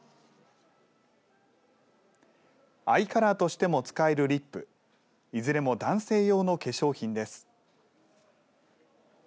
アイカラーとしても使えるリップいずれも男性用の化粧品です。